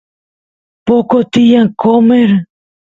poqo tiyan qomer